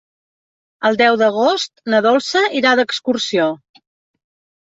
El deu d'agost na Dolça irà d'excursió.